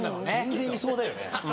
全然いそうだよね。